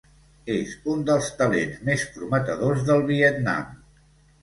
És un dels talents més prometedors del Vietnam.